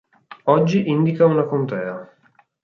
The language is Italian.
Oggi indica una contea.